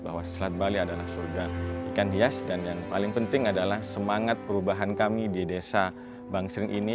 bahwa selat bali adalah surga ikan hias dan yang paling penting adalah semangat perubahan kami di desa bangsering ini